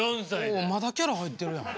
おおまだキャラ入ってるやん。